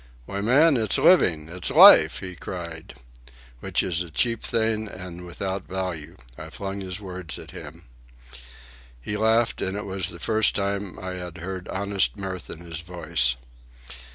"Why, man, it's living! it's life!" he cried. "Which is a cheap thing and without value." I flung his words at him. He laughed, and it was the first time I had heard honest mirth in his voice.